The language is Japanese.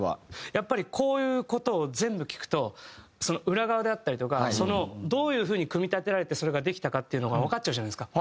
やっぱりこういう事を全部聞くと裏側であったりとかどういう風に組み立てられてそれができたかっていうのがわかっちゃうじゃないですか。